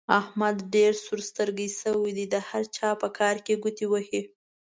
احمد ډېر سور سترګی شوی دی؛ د هر چا په کار کې ګوتې وهي.